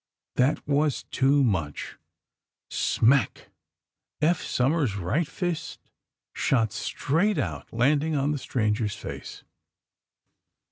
That was too much ! Smack ! Eph Somers 's right fist shot straight out, landing on the stranger's face.